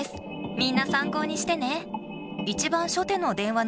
みんな参考にしてね！